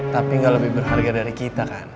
tapi nggak lebih berharga dari kita kan